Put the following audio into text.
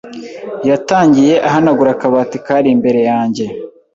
Yatangiye ahanagura akabati kari imbere yanjye,